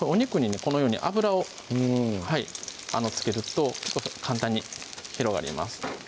このように油を付けると簡単に広がります